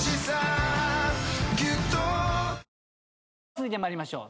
続いて参りましょう。